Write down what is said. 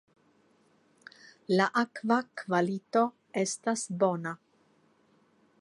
La akva kvalito estas bona.